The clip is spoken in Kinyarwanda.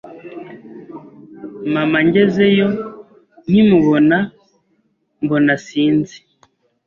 mama ngezeyo nkimubona mbona sinzi